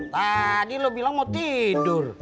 tadi lo bilang mau tidur